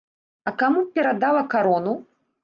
А каму б перадала карону?